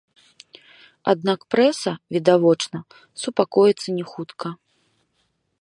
Аднак прэса, відавочна, супакоіцца не хутка.